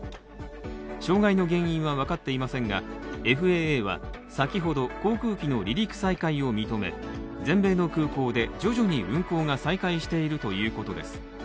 障害の原因は分かっていませんがＦＡＡは先ほど、航空機の離陸再開を認め全米の空港で徐々に運航が再開しているということです。